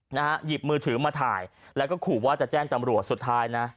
หยิบมือถือมาถ่ายแล้วก็ขู่ว่าจะแจ้งจำรวจสุดท้ายนะ